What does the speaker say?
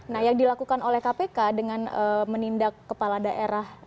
nah yang dilakukan oleh kpk dengan menindak kepala daerah